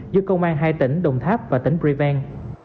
giữa công an hai tỉnh đồng tháp và tỉnh reven